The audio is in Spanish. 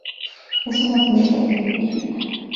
Es una planta epífita.